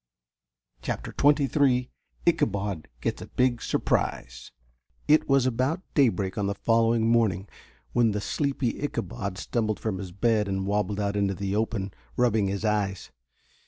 CHAPTER XXIII ICHABOD GETS A BIG SURPRISE It was about daybreak on the following morning when the sleepy Ichabod stumbled from his bed and wobbled out into the open, rubbing his eyes.